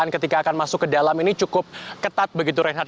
ketika akan masuk ke dalam ini cukup ketat begitu reinhard